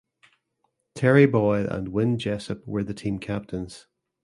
Terry Boyle and Wynn Jessup were the team captains.